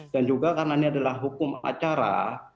dan juga karena ini adalah hukum acara